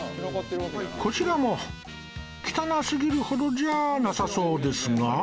こちらも汚すぎるほどじゃなさそうですが